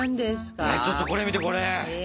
ちょっとこれ見てこれ。